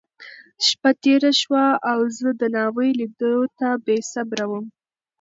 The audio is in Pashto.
شپه تېره شوه، او زه د ناوې لیدو ته بېصبره وم.